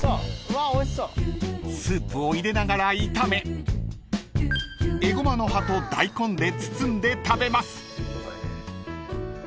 ［スープを入れながら炒めえごまの葉と大根で包んで食べます］